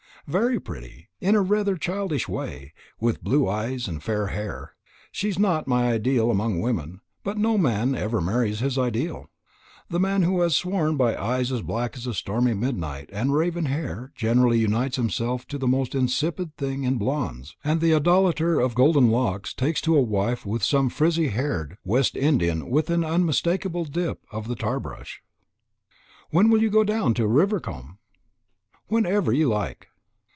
"Very pretty, in rather a childish way, with blue eyes and fair hair. She is not my ideal among women, but no man ever marries his ideal. The man who has sworn by eyes as black as a stormy midnight and raven hair generally unites himself to the most insipid thing in blondes, and the idolater of golden locks takes to wife some frizzy haired West Indian with an unmistakable dip of the tar brush. When will you go down to Rivercombe?" "Whenever you like."